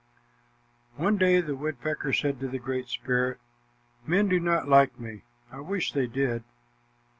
One day the woodpecker said to the Great Spirit, "Men do not like me. I wish they did."